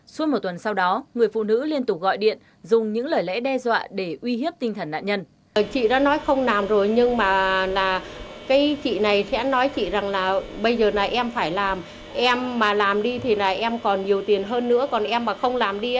suốt một tuần sau đó người phụ nữ liên tục gọi điện dùng những lời lẽ đe dọa để uy hiếp tinh thần nạn nhân